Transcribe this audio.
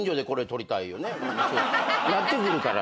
なってくるから。